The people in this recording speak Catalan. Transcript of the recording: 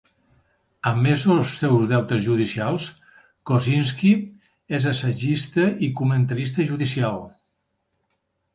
A més dels seus deutes judicials, Kozinski és assagista i comentarista judicial.